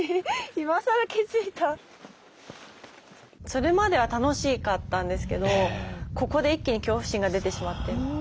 それまでは楽しかったんですけどここで一気に恐怖心が出てしまって。